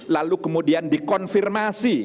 lalu kemudian dikonfirmasi